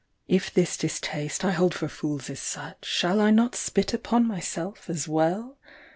59 If this distaste I hold for fools is such, Shall I not spit upon myself as well